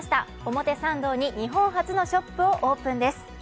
表参道に日本初のショップをオープンです。